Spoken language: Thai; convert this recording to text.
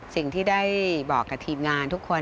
สิ่งที่ได้บอกกับทีมงานทุกคน